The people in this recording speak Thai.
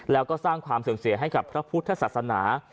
แล้วก็สร้างความเสื่อมเสียให้กับพระพุทธศาสนา